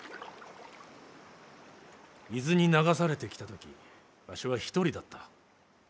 伊豆に流されてきた時わしは一人だった。